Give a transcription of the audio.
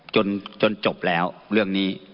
จนจบแล้วเรื่องนี้